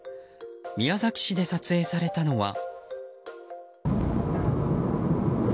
宮崎市で撮影されたのは。